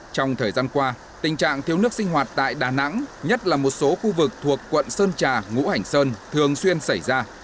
tình hình thiếu nước sinh hoạt tại đà nẵng nhất là một số khu vực thuộc quận sơn trà ngũ hảnh sơn thường xuyên xảy ra